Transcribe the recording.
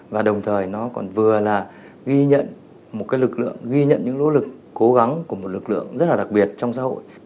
và đồng thời nó còn vừa là ghi nhận một lực lượng ghi nhận những nỗ lực cố gắng của một lực lượng rất là đặc biệt trong xã hội